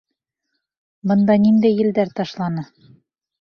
Бында ниндәй елдәр ташланы?